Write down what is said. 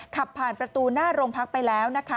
ขับผ่านประตูหน้าโรงพักไปแล้วนะคะ